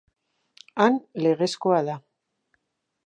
Han, legezkoa da.